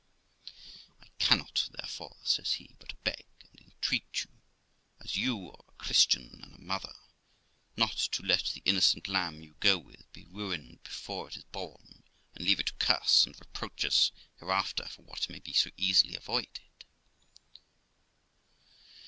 I cannot, therefore ', says he, ' but beg and entreat you, as you are a Christian and a mother, not to let the innocent lamb you go with be ruined before it is born, and leave it to curse and reproach us hereafter for what may be so easily avoided.